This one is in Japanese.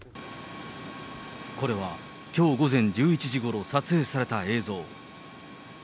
これは、きょう午前１１時ごろ撮影された映像。